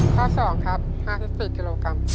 ข้อ๒ครับ๕๔กิโลกรัม